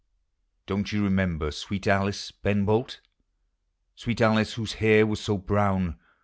Don't you remember sweet Alice, Ben Bolt Sweet Alice whose hair was so brown.